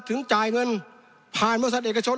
ถึงจ่ายเงินผ่านบริษัทเอกชน